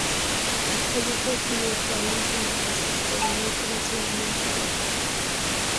España fue el primer país en el que se estrenó comercialmente la película.